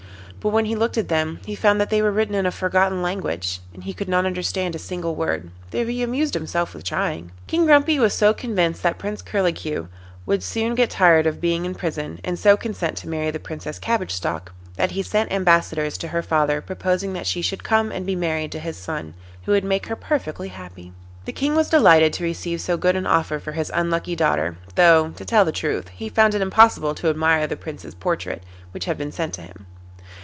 But when he looked at them he found that they were written in a forgotten language, and he could not understand a single word, though he amused himself with trying. King Grumpy was so convinced that Prince Curlicue would soon get tired of being in prison, and so consent to marry the Princess Cabbage Stalk, that he sent ambassadors to her father proposing that she should come and be married to his son, who would make her perfectly happy. The King was delighted to receive so good an offer for his unlucky daughter, though, to tell the truth, he found it impossible to admire the Prince's portrait which had been sent to him.